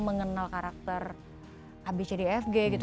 mengenal karakter abcdfg gitu